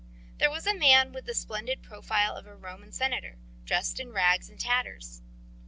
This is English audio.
There was a man with the splendid profile of a Roman senator, dressed in rags and tatters.